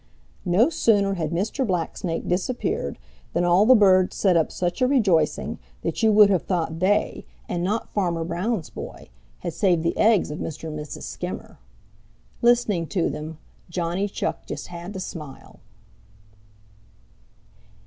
No sooner had Mr. Blacksnake disappeared than all the birds set up such a rejoicing that you would have thought they, and not Farmer Brown's boy, had saved the eggs of Mr. and Mrs. Skimmer. Listening to them, Johnny Chuck just had to smile.